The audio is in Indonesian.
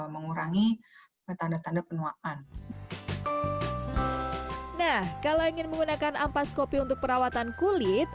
mengurangi tanda tanda penuaan nah kalau ingin menggunakan ampas kopi untuk perawatan kulit